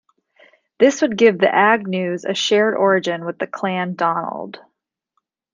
This would give the Agnews a shared origin with the Clan Donald.